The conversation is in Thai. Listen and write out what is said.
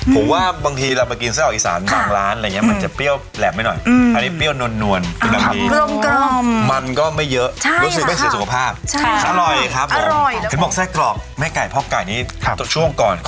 ผมว่าบางทีเราไปกินไส้ออกอีสานบางร้านอะไรอย่างนี้มันจะเปรี้ยวแหลบไปหน่อย